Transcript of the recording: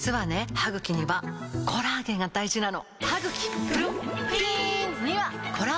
歯ぐきにはコラーゲンが大事なの！